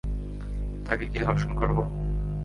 তাকে কি ধর্ষণ করব?